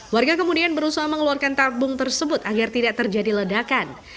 warga kemudian berusaha mengeluarkan tabung tersebut agar tidak terjadi ledakan